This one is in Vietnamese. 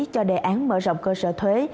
cho đề án mở rộng cơ sở thuế